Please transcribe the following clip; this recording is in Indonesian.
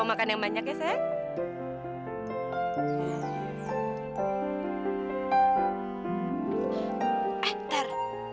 makasih ya ter